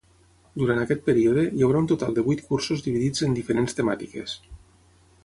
Durant aquest període, hi haurà un total de vuit cursos dividits en diferents temàtiques.